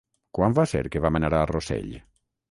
Quan va ser que vam anar a Rossell?